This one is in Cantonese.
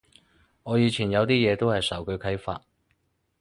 我以前有啲嘢都係受佢啓發